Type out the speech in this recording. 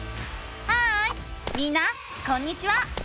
ハーイみんなこんにちは！